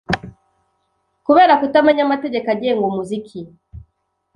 kubera kutamenya amategeko agenga umuziki